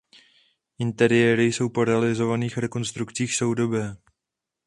Interiéry jsou po realizovaných rekonstrukcích soudobé.